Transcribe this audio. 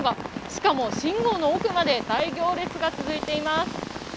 しかも信号の奥まで、大行列が続いています。